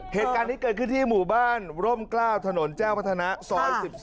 เหตุการณ์นี้เกิดขึ้นที่หมู่บ้านร่มกล้าวถนนแจ้งวัฒนะซอย๑๔